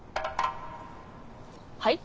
はい？